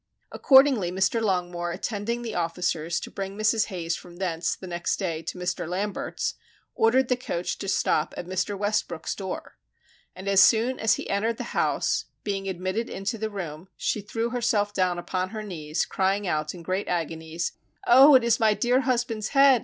Accordingly Mr. Longmore attending the officers to bring Mrs. Hayes from thence the next day to Mr. Lambert's, ordered the coach to stop at Mr. Westbrook's door. And as soon as he entered the house, being admitted into the room, she threw herself down upon her knees, crying out in great agonies, _Oh, it is my dear husband's head!